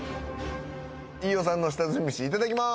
飯尾さんの下積みメシいただきます！